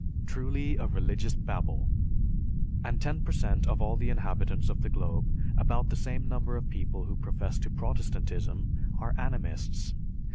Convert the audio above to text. Truly, a religious babel! and 10% of all the inhabitants of the globe, about the same number of people who profess to Protestantism, are Animists.